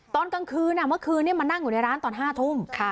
ตอนกลางคืนเมื่อคืนนี้มานั่งอยู่ในร้านตอน๕ทุ่ม